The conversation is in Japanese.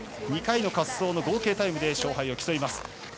２回の滑走の合計タイムで勝敗を競います。